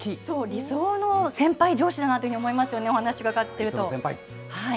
理想の先輩、上司だなというふうに思いますね、お話伺ってると。